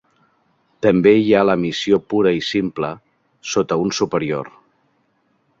També hi ha la missió pura i simple, sota un superior.